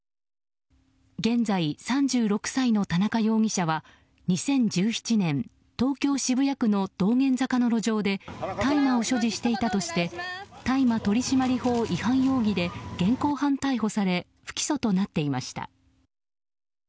現在３６歳の田中容疑者は２０１７年東京・渋谷区の道玄坂の路上で大麻を所持していたとして大麻取締法違反容疑で現行犯逮捕され不起訴となっていました。